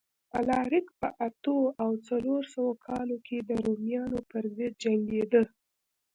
الاریک په اتو او څلور سوه کال کې د رومیانو پرضد جنګېده